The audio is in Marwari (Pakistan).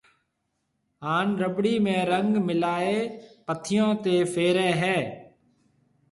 ھان رٻڙِي ۾ رنگ ملائيَ ڀينتون تيَ ڦيرَي ھيََََ